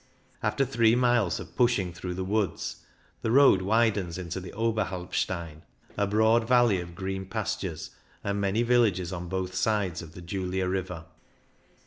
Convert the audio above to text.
After three miles of pushing through the woods the road widens into the Oberhalbstein, a broad valley of green pastures and many villages on both sides of the Julia river.